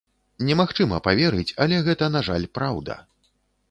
Немагчыма паверыць, але гэта, на жаль, праўда.